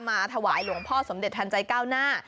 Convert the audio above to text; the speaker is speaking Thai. มาถวายหลวงพ่อสมเด็จทันใจก้าวหน้า